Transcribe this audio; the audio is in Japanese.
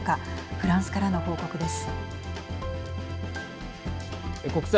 フランスからの報告です。